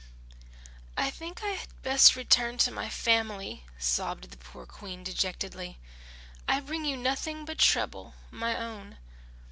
"I think I had best return to my family," sobbed the poor Queen, dejectedly. "I bring you nothing but trouble, my own."